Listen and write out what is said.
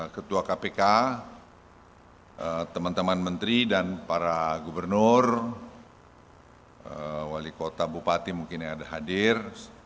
ketua kpk teman teman menteri dan para gubernur wali kota bupati mungkin yang ada hadir